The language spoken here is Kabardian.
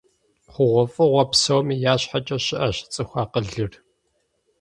ХъугъуэфӀыгъуэ псоми я щхьэкӀэ щыӀэщ цӀыху акъылыр.